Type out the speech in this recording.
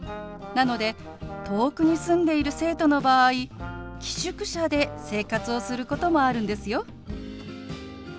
なので遠くに住んでいる生徒の場合寄宿舎で生活をすることもあるんですよ。